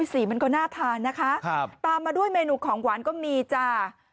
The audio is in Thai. สีมันก็น่าทานนะคะตามมาด้วยเมนูของหวานก็มีจ้า